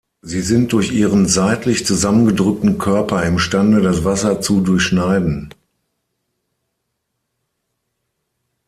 Sie sind durch ihren seitlich zusammengedrückten Körper imstande, das Wasser zu durchschneiden.